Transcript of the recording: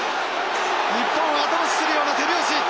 日本を後押しするような手拍子！